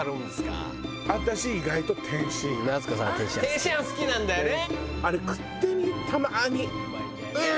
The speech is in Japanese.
天津飯好きなんだよね！